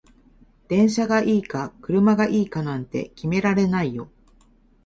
電車がいいか車がいいかなんて決められないよ